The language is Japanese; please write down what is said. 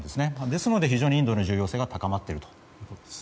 ですので非常にインドの重要性が高まっているということです。